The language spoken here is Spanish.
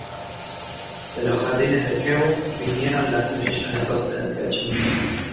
De los jardines de Kew vinieron las semillas de procedencia China.